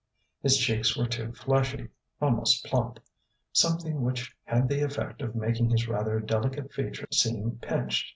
His cheeks were too fleshy, almost plump: something which had the effect of making his rather delicate features seem pinched.